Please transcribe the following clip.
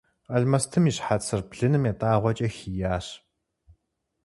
Алмэстым и щхьэцыр блыным ятӏагъуэкӏэ хийящ.